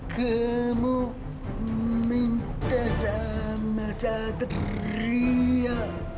kamu minta sama satria